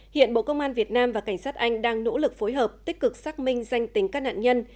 hiện bộ công an việt nam và cảnh sát anh đang nỗ lực phối hợp tích cực xác minh danh tính các nạn nhân